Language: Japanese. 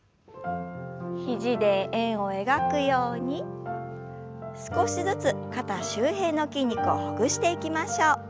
肘で円を描くように少しずつ肩周辺の筋肉をほぐしていきましょう。